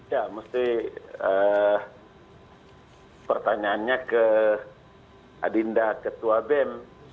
ya mesti pertanyaannya ke adinda ketua bem